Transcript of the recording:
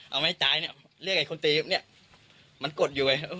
เอาไม้ตายเนี่ยเรียกไอ้คนตีเนี่ยมันกดอยู่ไง